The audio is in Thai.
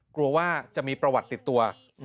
กลัวว่าจะมีประวัติติดตัว